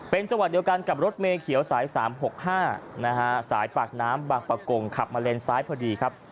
เป็นจังหวัดเดียวกันกับรถเมเขียวสาย๓๖๕นะฮะสายปากน้ำบางประกงขับมาเลนซ้ายพอดีครับ